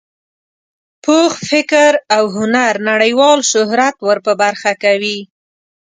پوخ فکر او هنر نړیوال شهرت ور په برخه کوي.